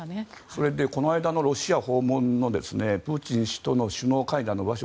それでこの間のロシア訪問のプーチン氏との首脳会談の場所